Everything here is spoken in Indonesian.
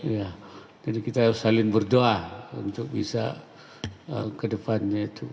ya jadi kita saling berdoa untuk bisa ke depannya itu